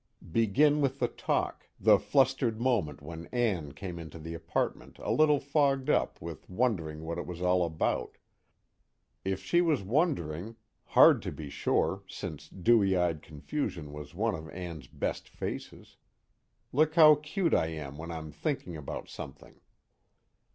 _ Begin with the talk, the flustered moment when Ann came into the apartment a little fogged up with wondering what it was all about. If she was wondering hard to be sure, since dewy eyed confusion was one of Ann's best faces: look how cute I am when I'm thinking about something.